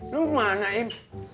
lu kemana im